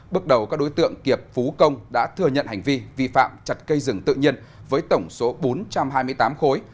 bước đầu các đối tượng kiệp phú công đã thừa nhận hành vi vi phạm chặt cây rừng tự nhiên với tổng số bốn trăm hai mươi tám khối